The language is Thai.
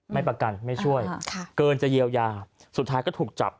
ไม่ประกันไม่ช่วยเกินจะเยียวยาสุดท้ายก็ถูกจับ